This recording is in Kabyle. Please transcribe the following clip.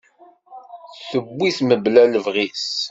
Tuwi-t mebla lebɣi-s.